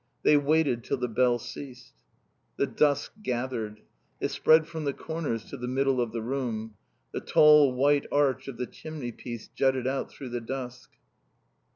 They waited till the bell ceased. The dusk gathered. It spread from the corners to the middle of the room. The tall white arch of the chimney piece jutted out through the dusk.